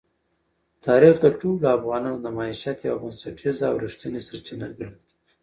تاریخ د ټولو افغانانو د معیشت یوه بنسټیزه او رښتینې سرچینه ګڼل کېږي.